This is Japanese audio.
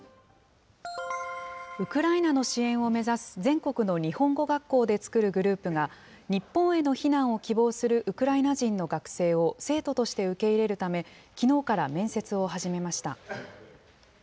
ウクライナの支援を目指す、全国の日本語学校で作るグループが、日本への避難を希望するウクライナ人の学生を生徒として受け入れるため、きのうから面接を始めました。